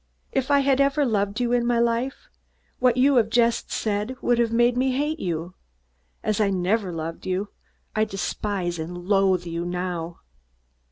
If I had ever loved you in my life, what you have just said would have made me hate you. As I never loved you, I despise and loathe you now."